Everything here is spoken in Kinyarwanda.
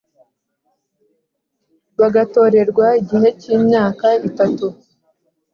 bagatorerwa igihe cy imyaka itatu